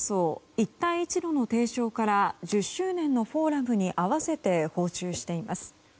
一帯一路の提唱から１０周年のフォーラムに合わせて訪中しています。